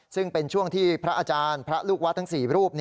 ซึ่งเป็นช่วงที่พระอาจารย์พระลูกวัดทั้ง๔รูป